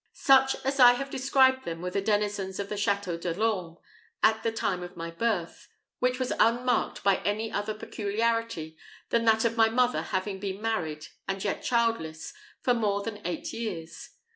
Such as I have described them were the denizens of the Château de l'Orme at the time of my birth, which was unmarked by any other peculiarity than that of my mother having been married, and yet childless, for more than eight years.